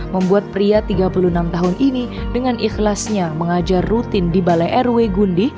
membuat pria tiga puluh enam tahun ini dengan ikhlasnya mengajar rutin di balai rw gundi